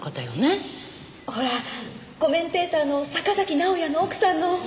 ほらコメンテーターの坂崎直哉の奥さんの。